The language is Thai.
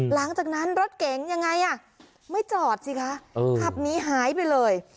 หลังจากนั้นรถเก๋งยังไงอ่ะไม่จอดสิคะขับหนีหายไปเลย